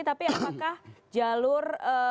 tapi apakah jalur